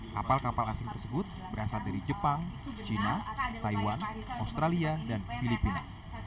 kapal kapal asing tersebut berasal dari jepang cina taiwan australia dan filipina